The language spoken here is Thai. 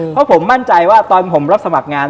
เพราะผมมั่นใจว่าตอนผมรับสมัครงาน